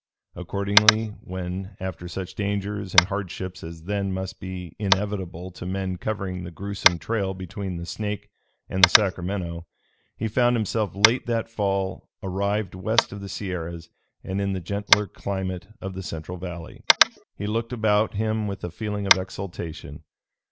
Accordingly when, after such dangers and hardships as then must be inevitable to men covering the gruesome trail between the Snake and the Sacramento, he found himself late that fall arrived west of the Sierras and in the gentler climate of the central valley, he looked about him with a feeling of exultation.